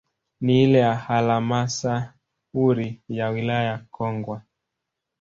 Na ile ya halmasahauri ya wilaya ya Kongwa